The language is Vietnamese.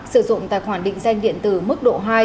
sử dụng tài khoản định danh điện tử mức độ hai